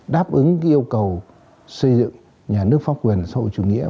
đáp ứng yêu cầu xây dựng nhà nước pháp quyền xã hội chủ nghĩa